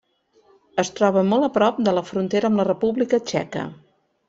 Es troba molt a prop de la frontera amb la República Txeca.